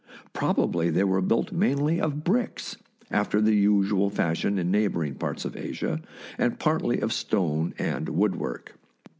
Probably they were built mainly of bricks, after the usual fashion in neighbouring parts of Asia, and partly of stone and woodwork.